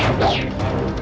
kau tidak bisa menang